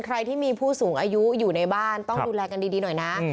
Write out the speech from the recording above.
ใครที่มีผู้สูงอายุอยู่ในบ้านต้องดูแลกันดีหน่อยนะ